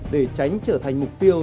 để tránh trở thành mục tiêu